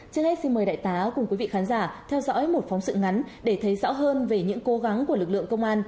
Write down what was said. trước hết xin mời đại tá cùng quý vị khán giả theo dõi một phóng sự ngắn để thấy rõ hơn về những cố gắng của lực lượng công an